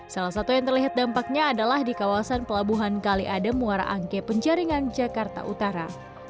salah satu yang terlihat dampaknya adalah di kawasan pelabuhan kali adem muara angke penjaringan jakarta utara